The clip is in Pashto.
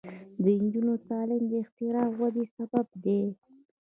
د نجونو تعلیم د اختراع ودې سبب دی.